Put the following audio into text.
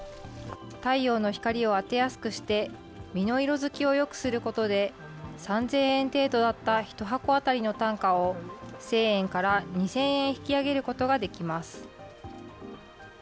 太陽の光を当てやすくして、実の色づきをよくすることで、３０００円程度だった１箱当たりの単価を、１０００円から２０００円引き上げることができます。